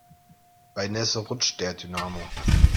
Bei Nässe rutscht der Dynamo.